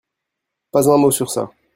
Pas un mo sur ça.